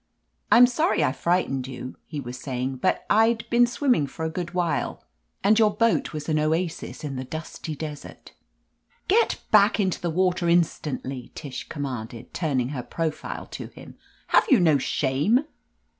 "I'm sorry I frightened you," he was say ing, "but — rd been swimming for a good while, and your boat was an oasis in the dusty desert" "Get back into the water instantly!" Tish commanded, turning her profile to him. "Have you no shame